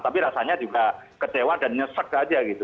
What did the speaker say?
tapi rasanya juga kecewa dan nyesek aja gitu